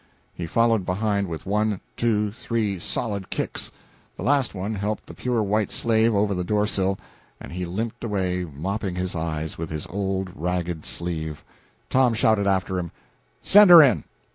He followed behind with one, two, three solid kicks. The last one helped the pure white slave over the door sill, and he limped away mopping his eyes with his old ragged sleeve. Tom shouted after him, "Send her in!"